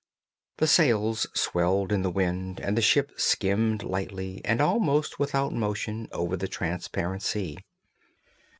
The sails swelled in the wind and the ship skimmed lightly and almost without motion over the transparent sea.